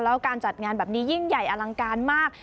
แล้วการจัดงานแบบนี้ยิ่งใหญ่อลังการมาก